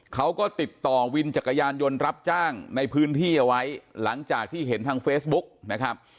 เขาก็ติดต่อวินจักรยานยนต์รับจ้างในพื้นที่เอาไว้หลังจากที่เห็นทางเฟซบุ๊กนะครับ